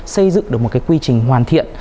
xây dựng được một cái quy trình hoàn thiện